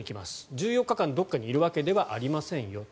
１４日間、どこかにいるわけではありませんよと。